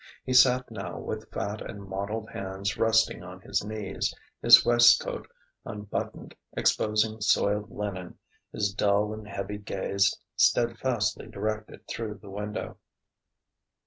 He sat now with fat and mottled hands resting on his knees, his waistcoat unbuttoned, exposing soiled linen, his dull and heavy gaze steadfastly directed through the window.